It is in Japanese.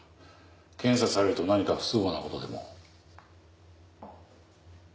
検査されると何か不都合なことでも？